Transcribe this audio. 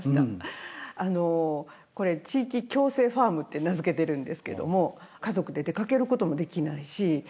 あのこれ地域共生ファームって名付けてるんですけども家族で出かけることもできないし。